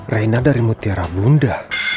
rina dari mutiara bunda